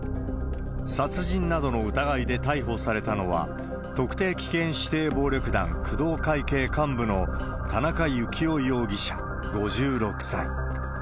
殺人などの疑いで逮捕されたのは、特定危険指定暴力団、工藤会系幹部の田中幸雄容疑者５６歳。